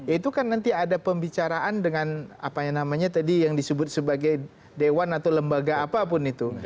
itu kan nanti ada pembicaraan dengan apa yang namanya tadi yang disebut sebagai dewan atau lembaga apapun itu